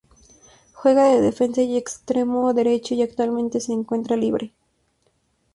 Juega de defensa y extremo derecho y actualmente se encuentra libre.